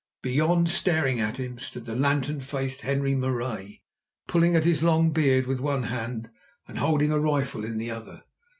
Beyond, staring at him, stood the lantern faced Henri Marais, pulling at his long beard with one hand and holding a rifle in the other.